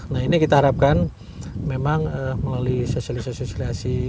nah ini kita harapkan memang melalui sosialisasi